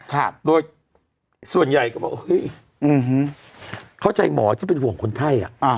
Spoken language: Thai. ตัวส่วนใหญ่เขาบอกเข้าใจหมอที่เป็นห่วงคนไข้อะ